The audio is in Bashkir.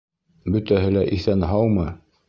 Бөтәһе лә иҫән-һаумы?